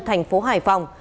thành phố hải phòng